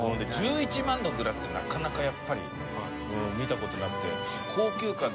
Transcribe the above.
１１万のグラスってなかなかやっぱり見た事なくて。